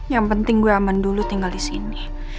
yang penting gue aman dulu tinggal disini